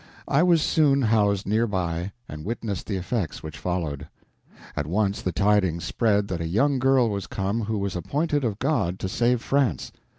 I was soon housed near by, and witnessed the effects which followed. At once the tidings spread that a young girl was come who was appointed of God to save France.